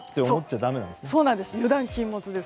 油断禁物です。